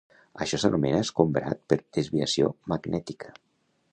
Això s'anomena escombrat per desviació magnètica.